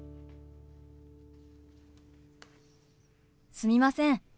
すみません。